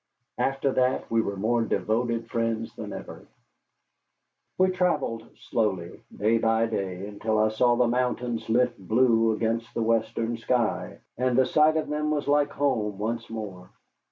After that we were more devoted friends than ever. We travelled slowly, day by day, until I saw the mountains lift blue against the western sky, and the sight of them was like home once more.